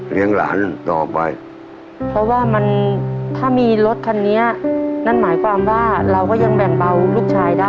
หลานต่อไปเพราะว่ามันถ้ามีรถคันนี้นั่นหมายความว่าเราก็ยังแบ่งเบาลูกชายได้